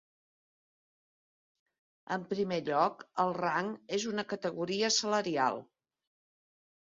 En primer lloc, el rang és una categoria salarial.